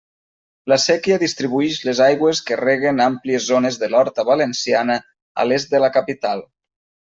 La séquia distribuïx les aigües que reguen àmplies zones de l'horta valenciana a l'est de la capital.